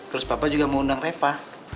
terus bapak juga mau undang reva